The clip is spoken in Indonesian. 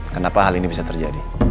kenapa hal ini bisa terjadi